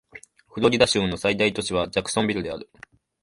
フロリダ州の最大都市はジャクソンビルである